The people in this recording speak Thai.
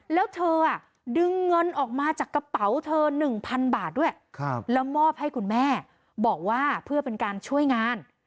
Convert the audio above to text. แล้วเธอดึงเงินออกมาจากกระเป๋าเธอ๑๐๐๐บาทด้วยแล้วมอบให้คุณแม่บอกว่าเพื่อเป็นการช่วยงาน